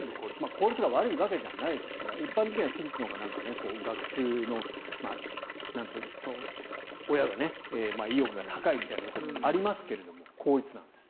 高校が悪いわけじゃないですが一般的には私立のほうが学習の親が意欲が高いみたいなところがありますが公立なんです。